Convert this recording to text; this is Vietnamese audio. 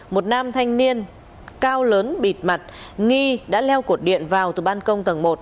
một nam thanh niên cao lớn bịt mặt nghi đã leo cột điện vào từ ban công tầng một